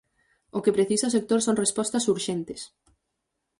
O que precisa o sector son respostas urxentes.